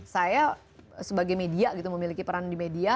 saya sebagai media gitu memiliki peran di media